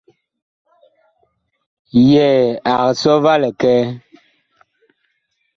Yɛɛ ag sɔ va likɛɛ.